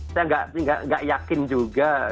saya nggak yakin juga